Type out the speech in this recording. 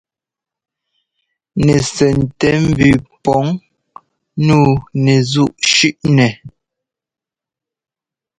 Nɛsɛntɛmbʉʉ pɔŋ nǔu nɛzúꞌ shʉ́ꞌnɛ.